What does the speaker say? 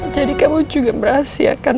jadi kamu juga merahsiakan